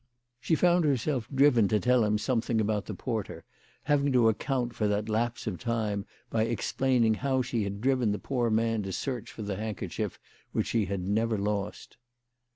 She found herself driven to tell him something about the porter, having to account for that lapse of time by explaining how she had driven the poor man to search for the handkerchief which she had never lost.